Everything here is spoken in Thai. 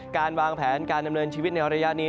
การวางแผนการดำเนินชีวิตในระยะนี้